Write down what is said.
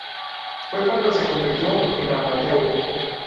Fue cuando se convirtió en Amateur.